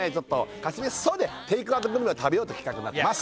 貸別荘でテイクアウトグルメを食べようって企画になってます